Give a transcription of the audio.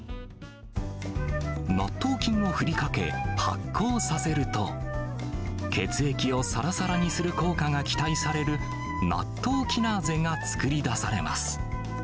納豆菌をふりかけ発酵させると、血液をさらさらにする効果が期待される、ナットウキナーゼが作り出されます。